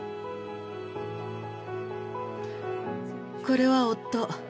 これは夫。